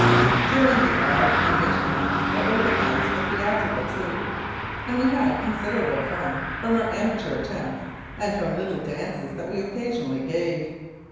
During the autumn and winter months I organised a theatrical troupe, and we had considerable fun from our amateur attempts and from little dances that we occasionally gave.